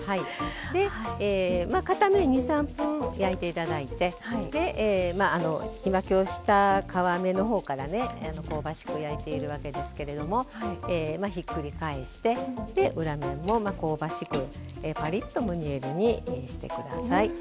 片面２３分焼いていただいて皮目のほうから香ばしく焼いているわけですけれどもひっくり返して、裏面も香ばしくパリッとムニエルにしてください。